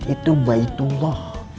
masjid itu baik allah